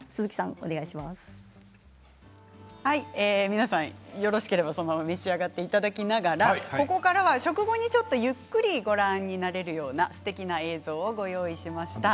皆さんよろしければそのまま召し上がっていただきながらここからは食後にゆっくりご覧になれるすてきな映像をご用意しました。